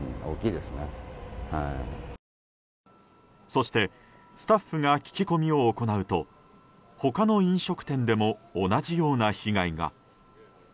そしてスタッフが聞き込みを行うと他の飲食店でも同じような被害が。